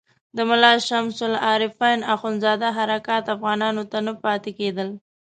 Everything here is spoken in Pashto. د ملا شمس العارفین اخندزاده حرکات افغانانو ته نه پاتې کېدل.